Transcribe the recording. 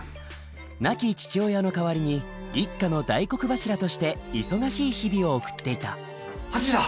亡き父親の代わりに一家の大黒柱として忙しい日々を送っていた８時だ！